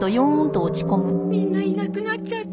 みんないなくなっちゃった。